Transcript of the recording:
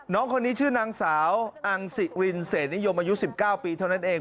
น้องคนนี้ชื่อนางสาวอังสิรินเศษนิยมอายุ๑๙ปีเท่านั้นเอง